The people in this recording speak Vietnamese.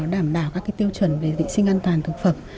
đảm bảo các tiêu chuẩn về vệ sinh an toàn thực phẩm